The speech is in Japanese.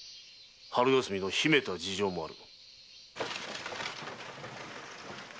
春霞の秘めた事情もある。